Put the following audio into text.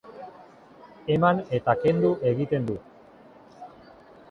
Eman eta kendu egiten du.